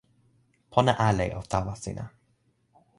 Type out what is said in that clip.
pona ale o tawa sina.